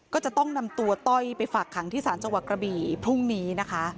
ก็ต้องนำตัวต้อยไปฝากขังที่ศเจาะมากรบรีพรุ่งนี้นะคะ